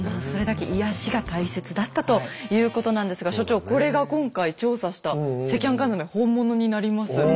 それだけ癒やしが大切だったということなんですが所長これが今回調査した赤飯缶詰本物になります。